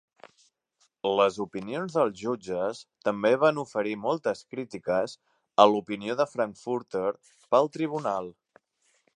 Les opinions dels jutges també van oferir moltes crítiques a l'opinió de Frankfurter pel tribunal.